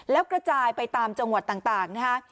แล้วกระจายไปตามจังหวัดต่างนะฮะ